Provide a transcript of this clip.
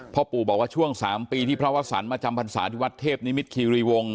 พ่อปู่บอกว่าช่วง๓ปีที่พระวสันมาจำพรรษาที่วัดเทพนิมิตคีรีวงศ